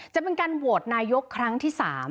จะเป็นการโหวตนายกครั้งที่๓